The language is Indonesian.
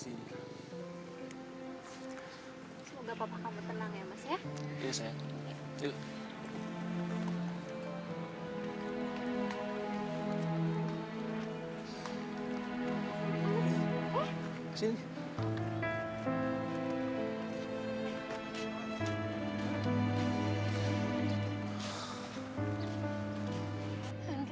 semoga papa kamu tenang ya mas ya